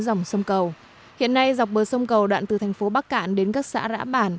dòng sông cầu hiện nay dọc bờ sông cầu đoạn từ thành phố bắc cạn đến các xã rã bản